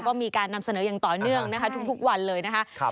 ก็มีการนำเสนออย่างต่อเนื่องนะคะทุกวันเลยนะคะ